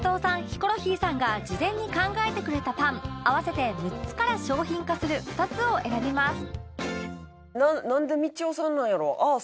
ヒコロヒーさんが事前に考えてくれたパン合わせて６つから商品化する２つを選びます